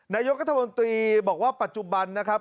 นายกกระทรวงตรีบอกว่าปัจจุบันนะครับ